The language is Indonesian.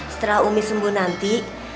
setelah umi sembuh nanti